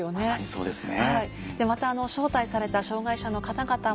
そうですね。